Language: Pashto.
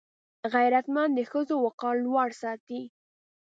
غیرتمند د ښځو وقار لوړ ساتي